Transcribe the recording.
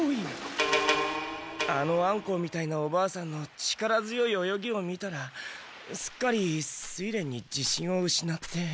あのアンコウみたいなおばあさんの力強い泳ぎを見たらすっかり水練に自信をうしなって。